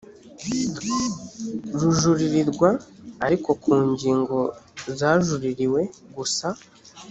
rujuririrwa ariko ku ngingo zajuririwe gusa